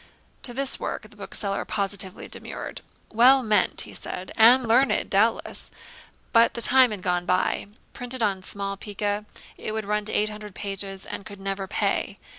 To this work the bookseller positively demurred. 'Well meant,' he said, 'and learned, doubtless; but the time had gone by. Printed on small pica it would run to eight hundred pages, and could never pay.